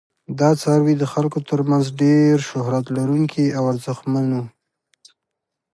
دا څاروي د خلکو تر منځ ډیر شهرت لرونکي او ارزښتمن وو.